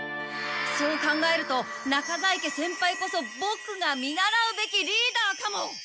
そう考えると中在家先輩こそボクが見習うべきリーダーかも！